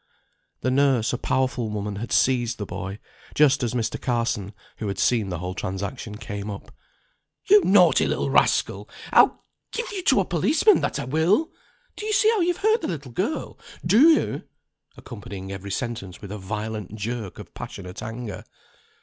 The nurse, a powerful woman, had seized the boy, just as Mr. Carson (who had seen the whole transaction) came up. "You naughty little rascal! I'll give you to a policeman, that I will! Do you see how you've hurt the little girl? Do you?" accompanying every sentence with a violent jerk of passionate anger.